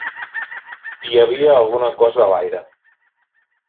Hi havia alguna cosa a l'aire.